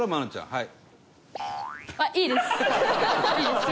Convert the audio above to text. はい。